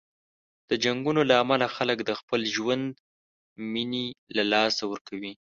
د جنګونو له امله خلک د خپل ژوند مینې له لاسه ورکوي.